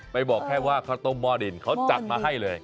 บอกแค่ว่าข้าวต้มหม้อดินเขาจัดมาให้เลย